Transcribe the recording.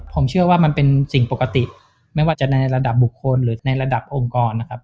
ผมเชื่อว่ามันเป็นสิ่งปกติไม่ว่าจะในระดับบุคคลหรือในระดับองค์กรนะครับ